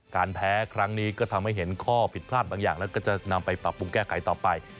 การแพ้ครั้งนี้ก็ทำให้เห็นข้อผิดพลาดบางอย่างแล้วก็จะนำไปปรับปรุงแก้ไขต่อไป